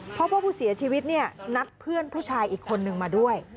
เพราะว่าผู้เสียชีวิตเนี่ยนัดเพื่อนผู้ชายอีกคนนึงมาด้วย